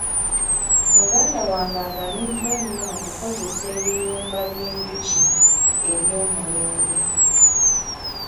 Muganda wange aganyuddwa nnyo mu ku kozesa ebiyumba by'enjuki eby'omulembe.